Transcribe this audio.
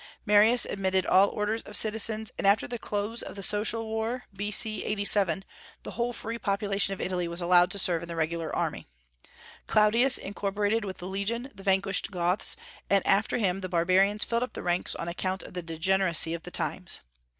Marius admitted all orders of citizens; and after the close of the Social War, B.C. 87, the whole free population of Italy was allowed to serve in the regular army. Claudius incorporated with the legion the vanquished Goths, and after him the barbarians filled up the ranks on account of the degeneracy of the times.